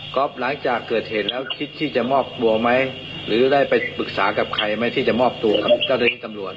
หลังจากเกิดเหตุแล้วคิดที่จะมอบตัวไหมหรือได้ไปปรึกษากับใครไหมที่จะมอบตัวกับเจ้าหน้าที่ตำรวจ